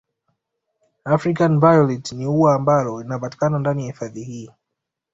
African violet ni ua ambalo linapatikana ndani ya hifadhi hii